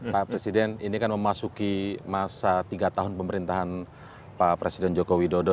pak presiden ini kan memasuki masa tiga tahun pemerintahan pak presiden joko widodo